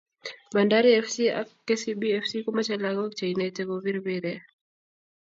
Bandari fc ak Kcb kf komache lakok che inete ko pir mpire